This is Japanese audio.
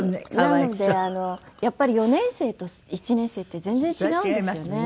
なのであのやっぱり４年生と１年生って全然違うんですよね。